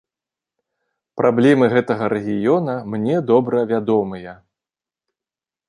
Праблемы гэтага рэгіёна мне добра вядомыя.